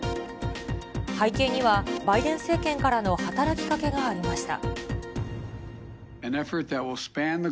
背景には、バイデン政権からの働きかけがありました。